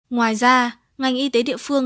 ngoài ra ngành y tế địa phương